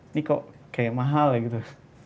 ini kok kayak mahal ya gitu